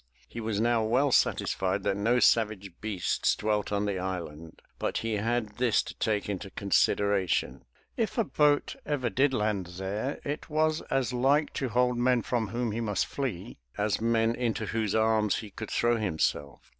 He was now well satisfied that no savage beasts dwelt on the island, but he had this to take into consideration, — if a boat ever did land there it was as like to hold men from whom he must flee as men into whose arms he could throw himself.